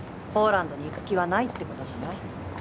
ポーランドに行く気はないって事じゃない？